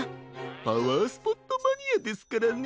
パワースポットマニアですからね。